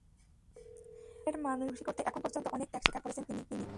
কাছের মানুষদের খুশি করতে এখন পর্যন্ত অনেক ত্যাগ স্বীকার করেছেন তিনি।